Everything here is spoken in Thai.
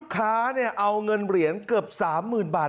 ค้าเอาเงินเหรียญเกือบ๓๐๐๐บาท